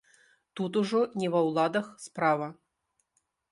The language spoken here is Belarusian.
Тут ужо не ва ўладах справа.